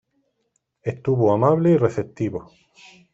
Estuvo amable y receptivo.